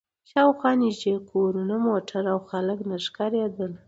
شا و خوا نږدې کورونه، موټر او خلک نه ښکارېدل.